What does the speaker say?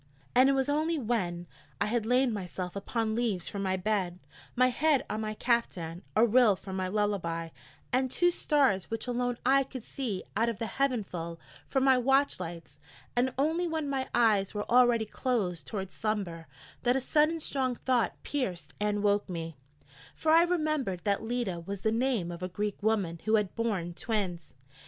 And it was only when I had lain myself upon leaves for my bed, my head on my caftan, a rill for my lullaby, and two stars, which alone I could see out of the heavenful, for my watch lights; and only when my eyes were already closed toward slumber, that a sudden strong thought pierced and woke me: for I remembered that Leda was the name of a Greek woman who had borne twins.